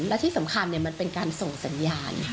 และที่สำคัญมันเป็นการส่งสัญญาณ